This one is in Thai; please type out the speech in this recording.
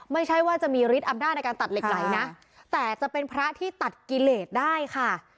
ไม่ใช่ว่าจะมีฤทธิอำนาจในการตัดเหล็กไหลนะแต่จะเป็นพระที่ตัดกิเลสได้ค่ะ